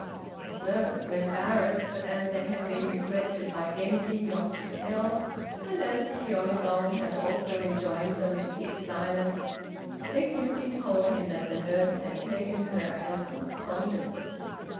The servants were embarrassed, but as they had been requested by Genji not to tell, and as Shiônagon had also enjoined them to keep silence, they simply told him that the nurse had taken her and absconded.